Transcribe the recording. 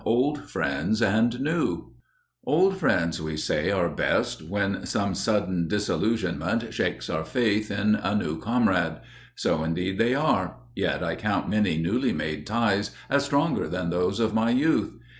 *Old Friends and New* Old Friends, we say, are best, when some sudden disillusionment shakes our faith in a new comrade. So indeed they are, yet I count many newly made ties as stronger than those of my youth.